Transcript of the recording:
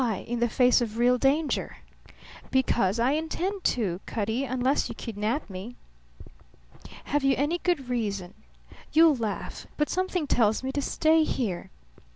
In the face of real danger?" "Because I intend to, Cutty unless you kidnap me." "Have you any good reason?" "You'll laugh; but something tells me to stay here."